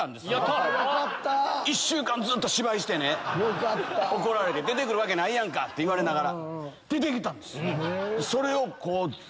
１週間ずっと芝居してね怒られて「出て来るわけないやんか！」って言われながら。